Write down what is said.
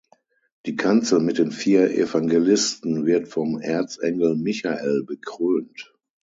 Die Kanzel mit den vier Evangelisten wird vom Erzengel Michael bekrönt.